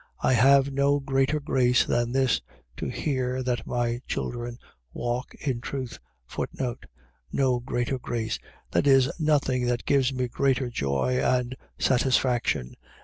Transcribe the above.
1:4. I have no greater grace than this, to hear that my children walk in truth. No greater grace. . .that is nothing that gives me greater joy and satisfaction.